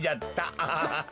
アハハハ。